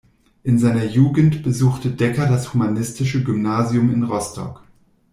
In seiner Jugend besuchte Decker das humanistische Gymnasium in Rostock.